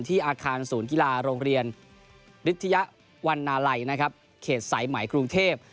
ที่อาคารศูนย์กีฬาโรงเรียนวันนาลัยเขตสายใหม่กรุงเทพฯ